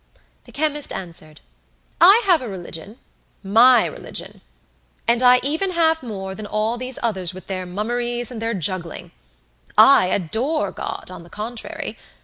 The chemist answered: "I have a religion, my religion, and I even have more than all these others with their mummeries and their juggling. I adore God, on the contrary.